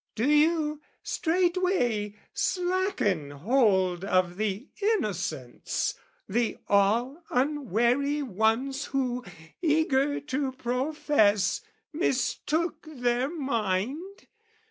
Do you straightway slacken hold Of the innocents, the all unwary ones Who, eager to profess, mistook their mind?